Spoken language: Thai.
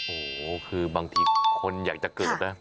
โอ้โหคือบางทีคนอยากจะเกิดนะ